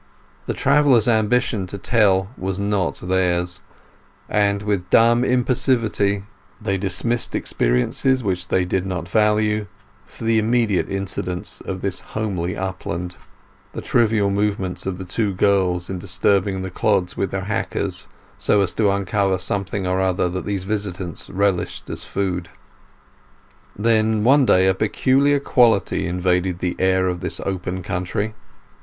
The traveller's ambition to tell was not theirs, and, with dumb impassivity, they dismissed experiences which they did not value for the immediate incidents of this homely upland—the trivial movements of the two girls in disturbing the clods with their hackers so as to uncover something or other that these visitants relished as food. Then one day a peculiar quality invaded the air of this open country.